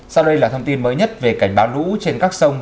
sau đây là thông tin mới nhất về cảnh báo lũ trên các sông